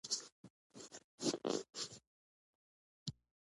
څلور رکعته دوه ډک دوه خالي ډک الحمدوالله او یوبل سورت خالي یوازي الحمدوالله